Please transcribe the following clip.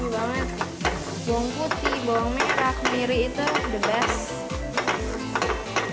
banget bawang putih bawang merah kemiri itu the best